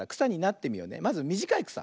まずみじかいくさ。